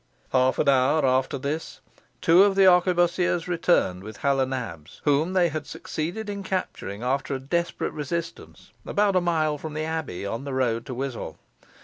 Half an hour after this, two of the arquebussiers returned with Hal o' Nabs, whom they had succeeded in capturing after a desperate resistance, about a mile from the abbey, on the road to Wiswall.